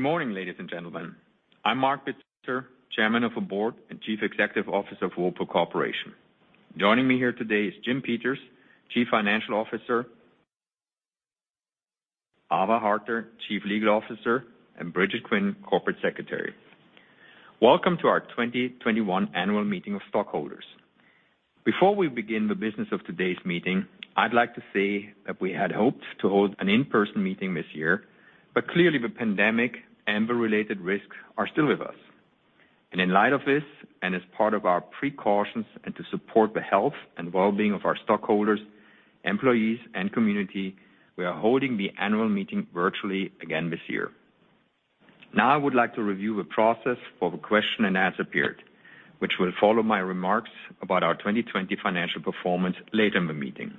Morning, ladies and gentlemen. I'm Marc Bitzer, Chairman of the Board and Chief Executive Officer of Whirlpool Corporation. Joining me here today is Jim Peters, Chief Financial Officer, Ava Harter, Chief Legal Officer, and Bridget Quinn, Corporate Secretary. Welcome to our 2021 annual meeting of stockholders. Before we begin the business of today's meeting, I'd like to say that we had hoped to hold an in-person meeting this year, but clearly the pandemic and the related risks are still with us. In light of this, and as part of our precautions and to support the health and well-being of our stockholders, employees, and community, we are holding the annual meeting virtually again this year. Now I would like to review the process for the question and answer period, which will follow my remarks about our 2020 financial performance later in the meeting.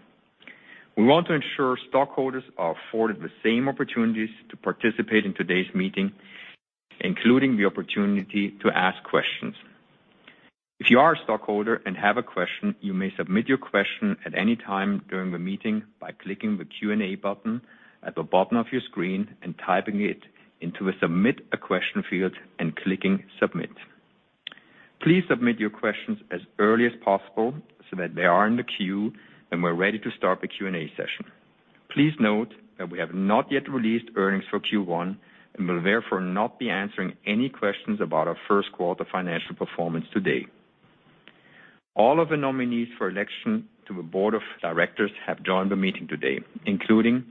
We want to ensure stockholders are afforded the same opportunities to participate in today's meeting, including the opportunity to ask questions. If you are a stockholder and have a question, you may submit your question at any time during the meeting by clicking the Q&A button at the bottom of your screen and typing it into the Submit a Question field and clicking Submit. Please submit your questions as early as possible so that they are in the queue when we're ready to start the Q&A session. Please note that we have not yet released earnings for Q1 and will therefore not be answering any questions about our first quarter financial performance today. All of the nominees for election to the board of directors have joined the meeting today, including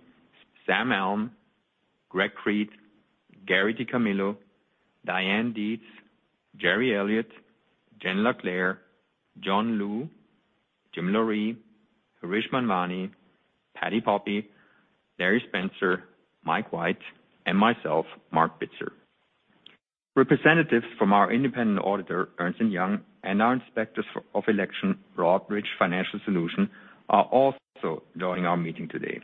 Sam Allen, Greg Creed, Gary DiCamillo, Diane Dietz, Gerri Elliott, Jen LaClair, John Liu, Jim Loree, Harish Manwani, Patti Poppe, Larry Spencer, Mike White, and myself, Marc Bitzer. Representatives from our independent auditor, Ernst & Young, and our inspectors of election, Broadridge Financial Solutions, are also joining our meeting today.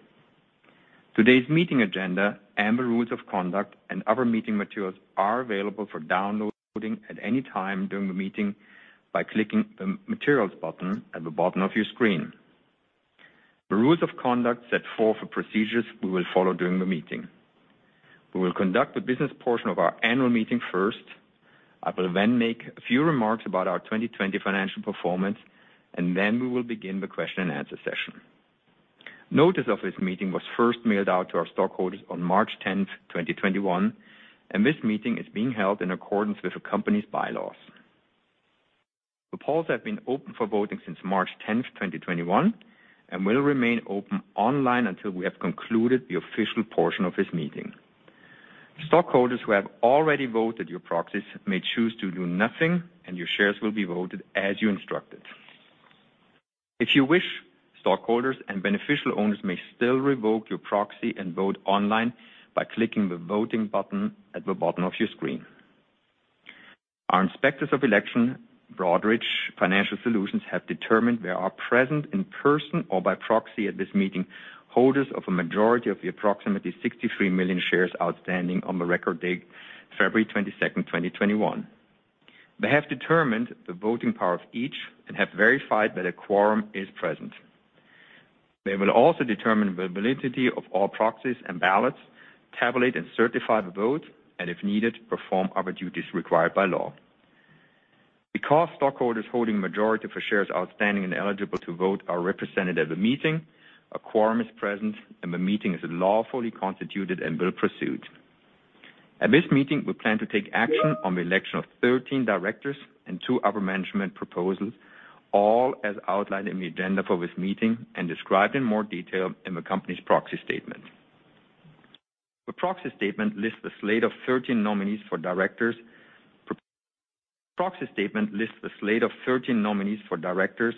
Today's meeting agenda and the rules of conduct and other meeting materials are available for downloading at any time during the meeting by clicking the Materials button at the bottom of your screen. The rules of conduct set forth the procedures we will follow during the meeting. We will conduct the business portion of our annual meeting first. I will then make a few remarks about our 2020 financial performance, and then we will begin the question and answer session. Notice of this meeting was first mailed out to our stockholders on March 10th, 2021, and this meeting is being held in accordance with the company's bylaws. The polls have been open for voting since March 10th, 2021, and will remain open online until we have concluded the official portion of this meeting. Stockholders who have already voted your proxies may choose to do nothing, and your shares will be voted as you instructed. If you wish, stockholders and beneficial owners may still revoke your proxy and vote online by clicking the Voting button at the bottom of your screen. Our inspectors of election, Broadridge Financial Solutions, have determined there are present in person or by proxy at this meeting, holders of a majority of the approximately 63 million shares outstanding on the record date February 22nd, 2021. They have determined the voting power of each and have verified that a quorum is present. They will also determine the validity of all proxies and ballots, tabulate and certify the vote, and if needed, perform other duties required by law. Because stockholders holding majority of the shares outstanding and eligible to vote are represented at the meeting, a quorum is present, and the meeting is lawfully constituted and will proceed. At this meeting, we plan to take action on the election of 13 directors and two other management proposals, all as outlined in the agenda for this meeting and described in more detail in the company's proxy statement. The proxy statement lists the slate of 13 nominees for directors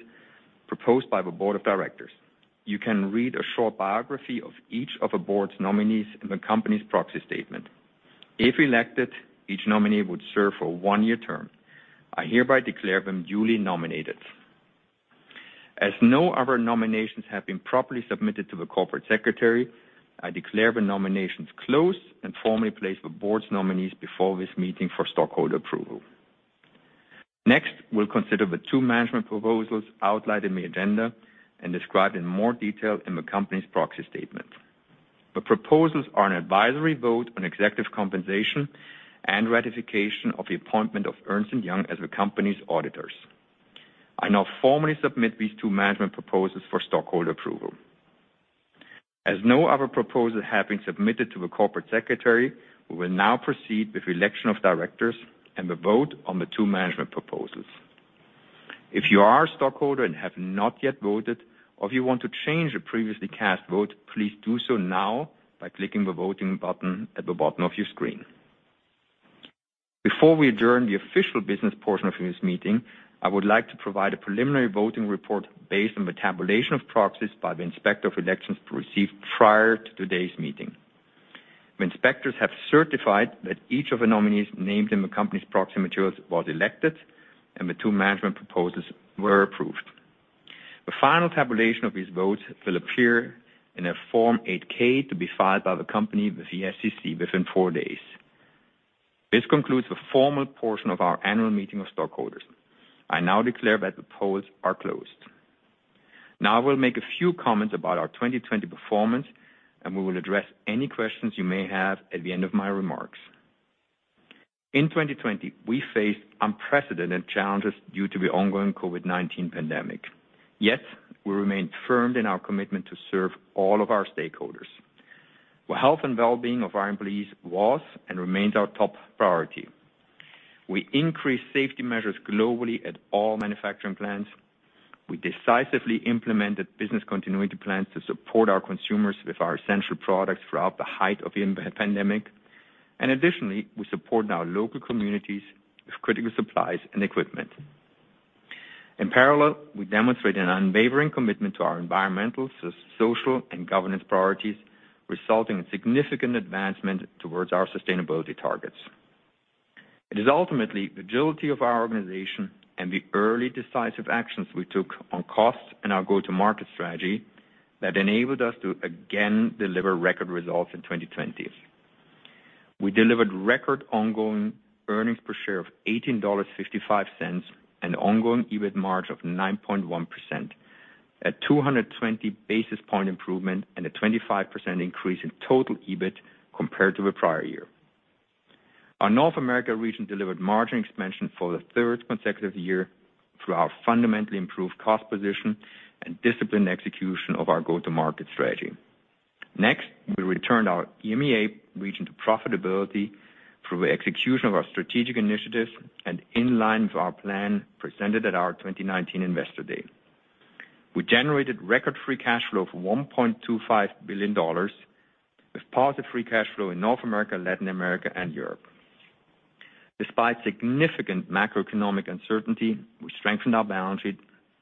proposed by the board of directors. You can read a short biography of each of the board's nominees in the company's proxy statement. If elected, each nominee would serve for a one-year term. I hereby declare them duly nominated. As no other nominations have been properly submitted to the corporate secretary, I declare the nominations closed and formally place the board's nominees before this meeting for stockholder approval. Next, we'll consider the two management proposals outlined in the agenda and described in more detail in the company's proxy statement. The proposals are an advisory vote on executive compensation and ratification of the appointment of Ernst & Young as the company's auditors. I now formally submit these two management proposals for stockholder approval. As no other proposals have been submitted to the corporate secretary, we will now proceed with the election of directors and the vote on the two management proposals. If you are a stockholder and have not yet voted, or if you want to change a previously cast vote, please do so now by clicking the Voting button at the bottom of your screen. Before we adjourn the official business portion of this meeting, I would like to provide a preliminary voting report based on the tabulation of proxies by the inspector of elections received prior to today's meeting. The inspectors have certified that each of the nominees named in the company's proxy materials was elected and the two management proposals were approved. The final tabulation of these votes will appear in a Form 8-K to be filed by the company with the SEC within four days. This concludes the formal portion of our annual meeting of stockholders. I now declare that the polls are closed. I will make a few comments about our 2020 performance, and we will address any questions you may have at the end of my remarks. In 2020, we faced unprecedented challenges due to the ongoing COVID-19 pandemic. We remained firm in our commitment to serve all of our stakeholders. The health and wellbeing of our employees was and remains our top priority. We increased safety measures globally at all manufacturing plants. We decisively implemented business continuity plans to support our consumers with our essential products throughout the height of the pandemic. Additionally, we supported our local communities with critical supplies and equipment. In parallel, we demonstrated an unwavering commitment to our environmental, social, and governance priorities, resulting in significant advancement towards our sustainability targets. It is ultimately the agility of our organization and the early decisive actions we took on costs and our go-to-market strategy that enabled us to again deliver record results in 2020. We delivered record ongoing earnings per share of $18.55 and ongoing EBIT margin of 9.1%, a 220-basis point improvement and a 25% increase in total EBIT compared to the prior year. Our North America region delivered margin expansion for the third consecutive year through our fundamentally improved cost position and disciplined execution of our go-to-market strategy. Next, we returned our EMEA region to profitability through the execution of our strategic initiatives and in line with our plan presented at our 2019 Investor Day. We generated record free cash flow of $1.25 billion with positive free cash flow in North America, Latin America, and Europe. Despite significant macroeconomic uncertainty, we strengthened our balance sheet,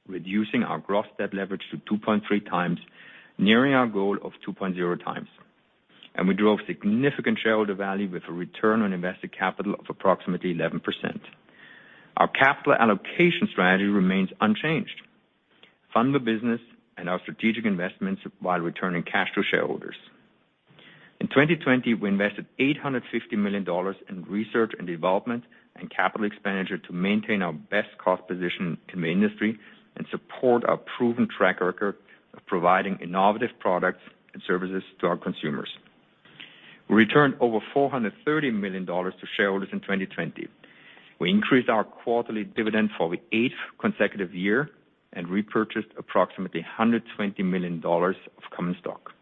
reducing our gross debt leverage to 2.3x, nearing our goal of 2.0X. We drove significant shareholder value with a return on invested capital of approximately 11%. Our capital allocation strategy remains unchanged. Fund the business and our strategic investments while returning cash to shareholders. In 2020, we invested $850 million in research and development and capital expenditure to maintain our best cost position in the industry and support our proven track record of providing innovative products and services to our consumers. We returned over $430 million to shareholders in 2020. We increased our quarterly dividend for the eighth consecutive year and repurchased approximately $120 million of common stock.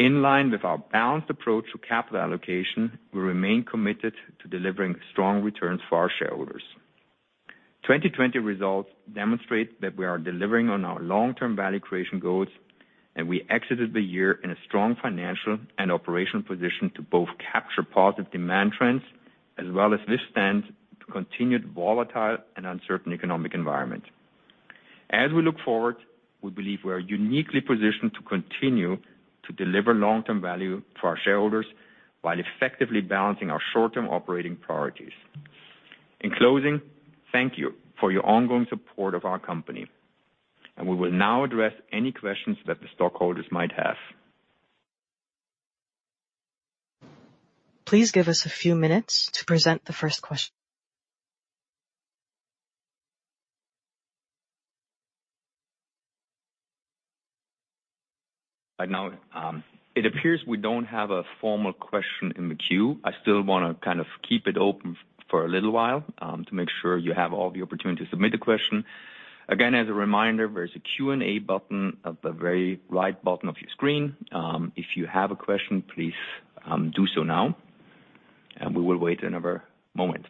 In line with our balanced approach to capital allocation, we remain committed to delivering strong returns for our shareholders. 2020 results demonstrate that we are delivering on our long-term value creation goals, and we exited the year in a strong financial and operational position to both capture positive demand trends as well as withstand the continued volatile and uncertain economic environment. As we look forward, we believe we are uniquely positioned to continue to deliver long-term value for our shareholders while effectively balancing our short-term operating priorities. In closing, thank you for your ongoing support of our company. We will now address any questions that the stockholders might have. Please give us a few minutes to present the first question. Right now, it appears we don't have a formal question in the queue. I still want to kind of keep it open for a little while, to make sure you have all the opportunity to submit a question. Again, as a reminder, there's a Q&A button at the very right bottom of your screen. If you have a question, please do so now, and we will wait another moment.